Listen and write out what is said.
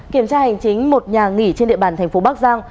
kiểm tra hành chính một nhà nghỉ trên địa bàn tp bắc giang